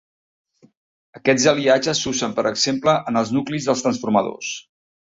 Aquests aliatges s'usen, per exemple, en els nuclis dels transformadors.